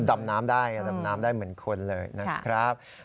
ดำน้ำได้ดำน้ำได้เหมือนคนเลยนะครับ